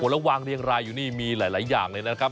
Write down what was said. แล้ววางเรียงรายอยู่นี่มีหลายอย่างเลยนะครับ